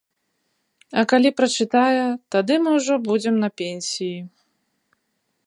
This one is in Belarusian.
А калі прачытае, тады мы ўжо будзем на пенсіі.